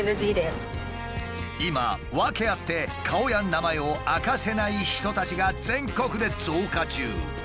今ワケあって顔や名前を明かせない人たちが全国で増加中。